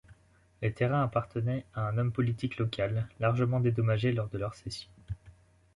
Les terrains appartenaient à un homme politique local, largement dédommagé lors de leur cession.